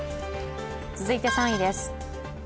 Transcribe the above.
続いて３位です。